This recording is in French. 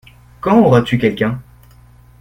Quand auras-tu quelqu’un ?